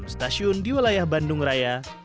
stasiun di wilayah bandung raya